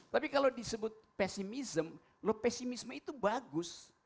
tapi kalau disebut pesimism loh pesimisme itu bagus